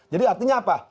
jadi artinya apa